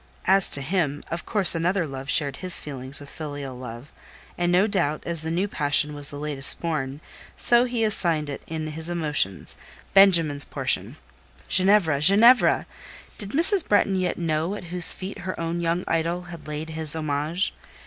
As to him, of course another love shared his feelings with filial love, and, no doubt, as the new passion was the latest born, so he assigned it in his emotions Benjamin's portion. Ginevra! Ginevra! Did Mrs. Bretton yet know at whose feet her own young idol had laid his homage?